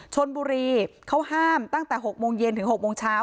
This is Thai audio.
ชนบุรีเขาห้ามตั้งแต่๖โมงเย็นถึง๖โมงเช้า